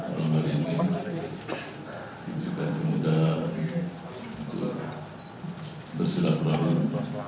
selama ini dibujukkan kemudahan untuk berselakrahil